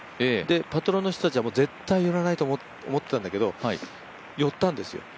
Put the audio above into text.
パトロンの人たちは、絶対寄らないと思ったんだけど寄ったんですよ